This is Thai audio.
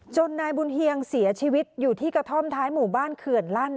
นายบุญเฮียงเสียชีวิตอยู่ที่กระท่อมท้ายหมู่บ้านเขื่อนลั่น